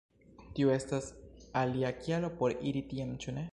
Tiu estas alia kialo por iri tien, ĉu ne?